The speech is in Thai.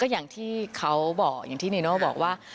อย่างที่เขาบอกอย่างที่เนโน่บอกว่า